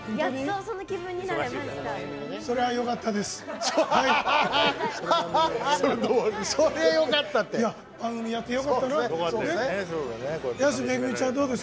それはよかったです。